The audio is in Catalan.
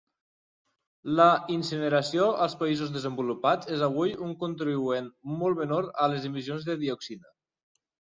La incineració als països desenvolupats és avui un contribuent molt menor a les emissions de dioxina.